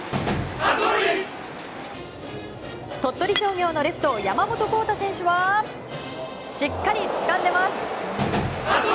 鳥取商業のレフト山本皓太選手はしっかりつかんでます！